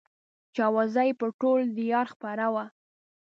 چې اوازه يې پر ټول ديار خپره وه.